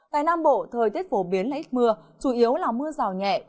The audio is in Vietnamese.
tại nam bộ thời tiết phổ biến là ít mưa chủ yếu là mưa rào nhẹ